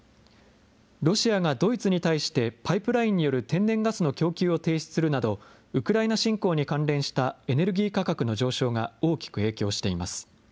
ロシアがドイツに対してパイプラインによる天然ガスの供給を停止するなど、ウクライナ侵攻に関連したエネルギー価格の上昇が大きく影響しています。